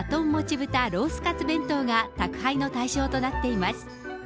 ぶたロースかつ弁当が宅配の対象となっています。